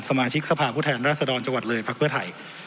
สมาชิกสภาพผู้แทนราชดรจังหวัดเลยพักเพื่อไทย